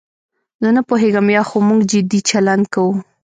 زه نه پوهېږم یا خو موږ جدي چلند کوو.